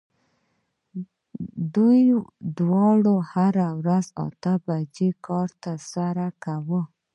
دوی دواړو هره ورځ اته ساعته کار ترسره کاوه